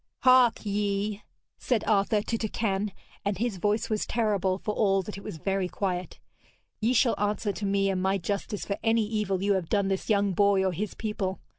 'Hark ye!' said Arthur to Turquine, and his voice was terrible, for all that it was very quiet, 'ye shall answer to me and my justice for any evil you have done this young boy or his people.